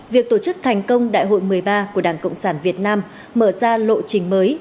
việc tổ chức thành công đại hội một mươi ba của đảng cộng sản việt nam mở ra lộ trình mới